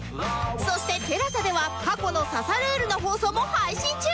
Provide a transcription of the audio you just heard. そして ＴＥＬＡＳＡ では過去の『刺さルール！』の放送も配信中！